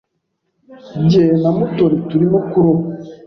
Jye na Mutoni turimo kuroba.